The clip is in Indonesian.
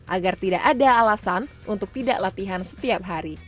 agar tidak ada alasan untuk tidak latihan setiap hari